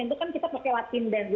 itu kan kita pakai latin dan